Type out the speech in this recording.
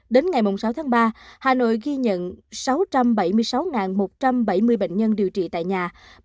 đến ngày sáu tháng ba hà nội ghi nhận sáu trăm bảy mươi sáu một trăm bảy mươi bệnh nhân điều trị tại nhà